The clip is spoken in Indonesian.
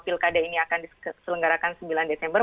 pilkada ini akan diselenggarakan sembilan desember